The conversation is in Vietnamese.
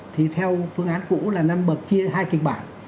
thì theo phương án cũ là năm bậc chia hai kịch bản